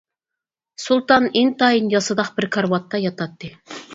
سۇلتان ئىنتايىن ياسىداق بىر كارىۋاتتا ياتاتتى.